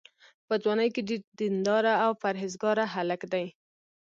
په ځوانۍ کې ډېر دینداره او پرهېزګاره هلک دی.